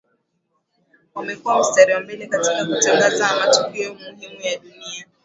Wamekua mstari wa mbele katika kutangaza matukio muhimu ya dunia